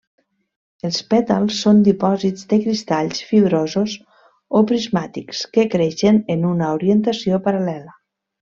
Els pètals són dipòsits de cristalls fibrosos o prismàtics que creixen en una orientació paral·lela.